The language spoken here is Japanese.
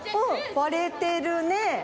われてるね。